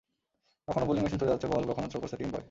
কখনো bowling machine ছুড়ে যাচ্ছে বল, কখনো থ্রো করছে টিম বয়।